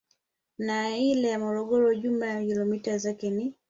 Na ile ya Morogoro jumla ya kilomita zake ni